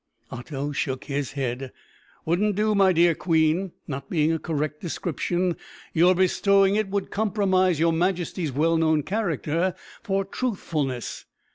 Otto shook his head. "Wouldn't do, my dear queen. Not being a correct description, your bestowing it would compromise your majesty's well known character for truthfulness.